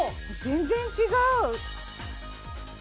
全然違う！